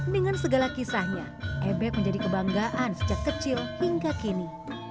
dengan segala kisahnya ebek menjadi kebanggaan sejak kecil hingga kini